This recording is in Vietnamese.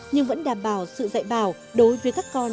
nhưng vẫn đảm bảo sự dạy bảo đối với các con